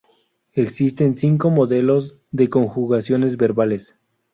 Existen cinco modelos de conjugaciones verbales.